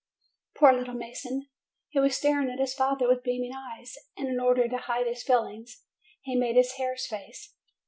Poor "little mason" ! he was staring at his father with beaming eyes, and, in order to hide his feelings, he made his hare's face.